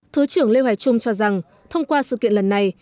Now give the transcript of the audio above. thứ trưởng lê hoài trung cho rằng thông qua sự kiện lần này